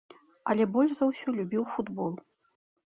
Але больш за ўсё любіў футбол.